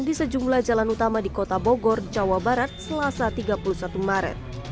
di sejumlah jalan utama di kota bogor jawa barat selasa tiga puluh satu maret